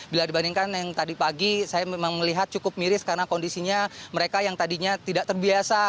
bila dibandingkan yang tadi pagi saya memang melihat cukup miris karena kondisinya mereka yang tadinya tidak terbiasa